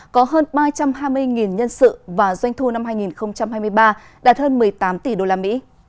có hơn ba trăm hai mươi nhân sự và doanh thu năm hai nghìn hai mươi ba đạt hơn một mươi tám tỷ usd